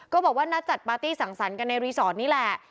บอกว่านัดจัดปาร์ตี้สั่งสรรค์กันในรีสอร์ทนี่แหละ